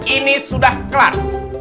ini sudah kelar